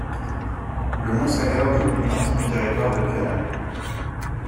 Le Mont Saga occupe une partie du territoire de Kyonan.